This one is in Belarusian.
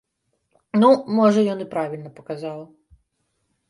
Ну, можа, ён і правільна паказаў.